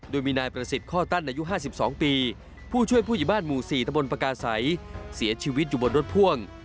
โดยมีนายประสิทธิ์ข้อตั้นอายุ๕๒ปีผู้ช่วยผู้ใหญ่บ้านหมู่๔ตะบนปากาศัยเสียชีวิตอยู่บนรถพ่วง